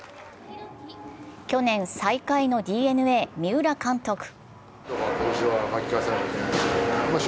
去年、最下位のＤｅＮＡ・三浦監督。